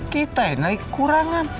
kita ini lagi kekurangan